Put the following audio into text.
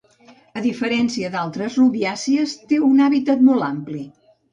A diferència d'altres rubiàcies, té un hàbitat molt ampli.